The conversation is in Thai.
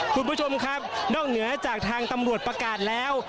คุณผู้ชมครับนอกเหนือจากทางตำรวจประกาศแล้ว